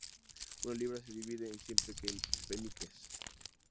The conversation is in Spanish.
Una libra se divide en cien peniques.